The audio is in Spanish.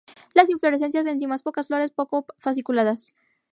Las inflorescencias en cimas pocas flores, poco fasciculadas.